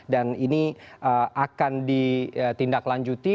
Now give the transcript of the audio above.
dan ini akan ditindaklanjuti